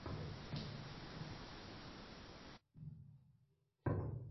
শেখর মুখ না তুলিয়া প্রথমে অতি মৃদুস্বরে আরম্ভ করিলেন।